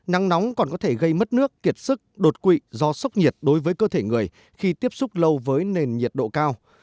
nắng nóng còn có thể gây mất nước kiệt sức đột quỵ do sốc nhiệt đối với cơ thể người khi tiếp xúc lâu với nền nhiệt độ cao